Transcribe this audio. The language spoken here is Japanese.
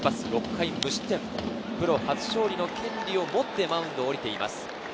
６回無失点、プロ初勝利の権利を持ってマウンドを降りています。